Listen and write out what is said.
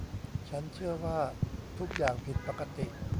ฉันเชื่อว่าทุกอย่างผิดปกติ